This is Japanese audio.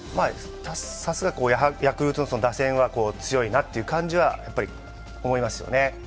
さすがヤクルトの打線は強いなという感じは思いますよね。